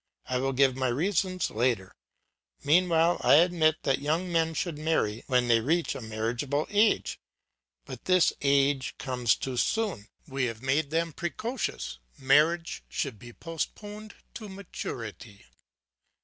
I will give my reasons later; meanwhile I admit that young men should marry when they reach a marriageable age. But this age comes too soon; we have made them precocious; marriage should be postponed to maturity.